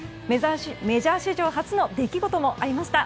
メジャー史上初の出来事もありました。